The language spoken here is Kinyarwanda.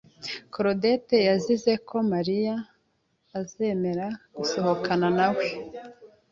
Claudete yizeye ko Mariya azemera gusohokana nawe.